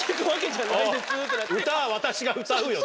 歌は私が歌うよと。